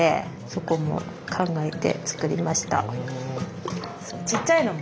そこも考えて作りました。